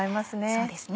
そうですね